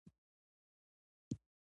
لمریز ځواک د افغانستان د بڼوالۍ برخه ده.